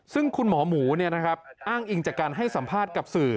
ซึ่งคุณหมอหมูอ้างอิงจากการให้สัมภาษณ์กับสื่อ